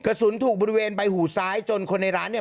กระสุนถูกบริเวณใบหูซ้ายจนคนในร้านเนี่ย